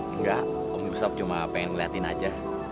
enggak om rusak cuma pengen ngeliatin aja